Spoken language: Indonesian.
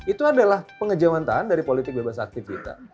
itu adalah pengeja mantan dari politik bebas aktif kita